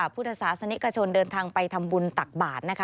พุทธศาสนิกชนเดินทางไปทำบุญตักบาทนะคะ